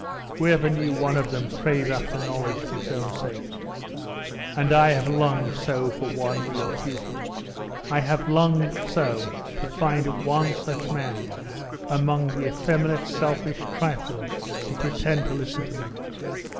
Who ever knew one of them crave after knowledge for its own sake?.... And I have longed so for one real pupil! I have longed so to find one such man, among the effeminate selfish triflers who pretend to listen to me.